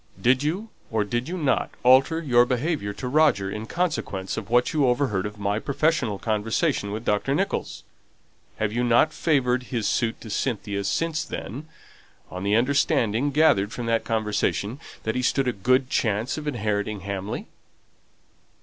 Did you or did you not alter your behaviour to Roger in consequence of what you overheard of my professional conversation with Dr. Nicholls? Have you not favoured his suit to Cynthia since then, on the understanding gathered from that conversation that he stood a good chance of inheriting Hamley?"